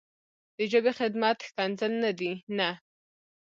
د ژبې خدمت ښکنځل نه دي نه.